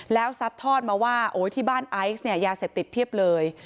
แล้วซัดทอดมาว่าโอ้ยที่บ้านไอซ์เนี่ยยาเสพติดเพียบเลย